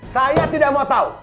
saya tidak mau tau